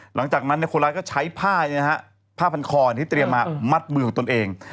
หลังจากนั้นคนร้ายก็ใช้ผ้าผ้าพันคอที่เตรียมมามัดมือของตนเอง